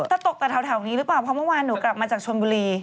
จะตกแต่แถวนี้หรือเปล่าเพราะเมื่อวานหนูกลับมาจากชนบุรี